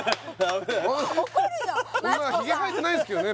今は髭生えてないですけどね